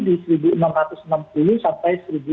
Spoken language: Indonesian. di seribu enam ratus enam puluh sampai